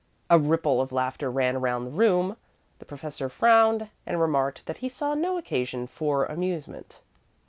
A ripple of laughter ran around the room; the professor frowned, and remarked that he saw no occasion for amusement.